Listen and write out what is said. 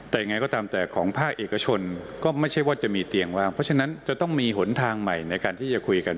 แต่ยังไงก็ตามแต่ของภาคเอกชนก็ไม่ใช่ว่าจะมีเตียงว่างเพราะฉะนั้นจะต้องมีหนทางใหม่ในการที่จะคุยกัน